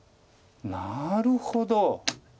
なるほど！